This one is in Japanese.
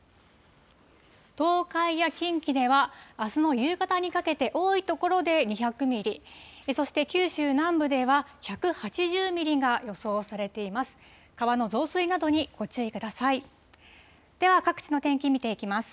東海や近畿ではあすの夕方にかけて、多い所で２００ミリ、そして九州南部では１８０ミリが予想されています。